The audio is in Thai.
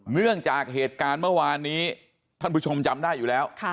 เนื่องจากเหตุการณ์เมื่อวานนี้ท่านผู้ชมจำได้อยู่แล้ว